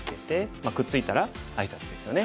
まあくっついたら挨拶ですよね。